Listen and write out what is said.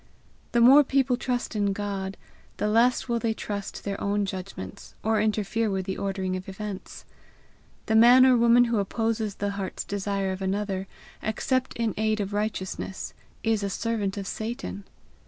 The more people trust in God, the less will they trust their own judgments, or interfere with the ordering of events. The man or woman who opposes the heart's desire of another, except in aid of righteousness, is a servant of Satan.